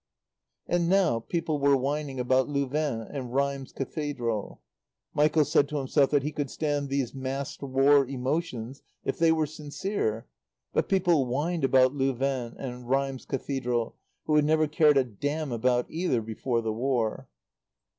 And now people were whining about Louvain and Rheims Cathedral. Michael said to himself that he could stand these massed war emotions if they were sincere; but people whined about Louvain and Rheims Cathedral who had never cared a damn about either before the War.